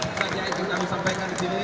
itu saja yang ingin kami sampaikan disini